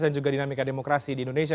dan juga dinamika demokrasi di indonesia